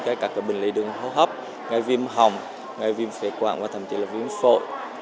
cả cái bệnh lý đường hỗ hấp ngay viêm hồng ngay viêm phế quạng và thậm chí là viêm phội